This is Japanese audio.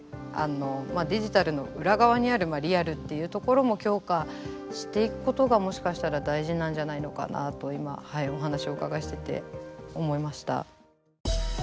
デジタルの裏側にあるリアルっていうところも強化していくことがもしかしたら大事なんじゃないのかなと今お話をお伺いしてて思いました。